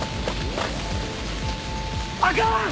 あかん！